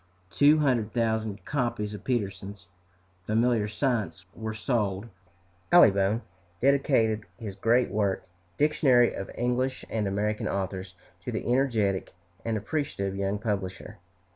Two hundred thousand copies of Peterson's "Familiar Science" were sold. Allibone dedicated his great work, "Dictionary of English and American Authors," to the energetic and appreciative young publisher.